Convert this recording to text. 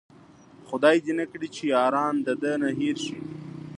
خداې دې نه کړي چې ياران د ده نه هير شي